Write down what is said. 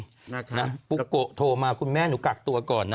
นะปุ๊กโกะโทรมาคุณแม่หนูกักตัวก่อนนะ